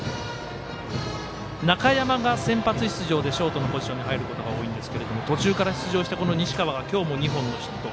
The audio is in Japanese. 中山が先発出場でショートのポジションに入ることが多いんですけども途中から出場した西川が今日も２本のヒット。